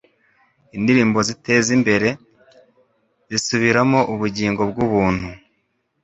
indirimbo zitezimbere, zisubiramo ubugingo bwubuntu